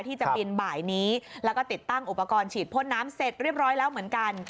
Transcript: ที่จะบินบ่ายนี้แล้วก็ติดตั้งอุปกรณ์ฉีดพ่นน้ำเสร็จเรียบร้อยแล้วเหมือนกัน